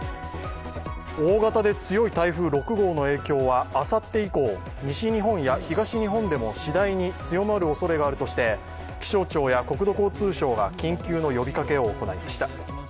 大型強い台風６号の影響はあさって以降、西日本や東日本でも次第に強まるおそれがあるとして気象庁や国土交通省が緊急の呼びかけを行いました。